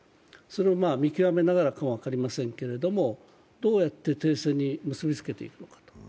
それを見極めながらか分かりませんけれども、どうやって停戦に結びつけていくか。